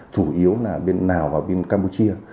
chủ yếu là bên nào và bên campuchia